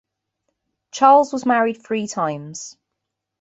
Charles was married three times.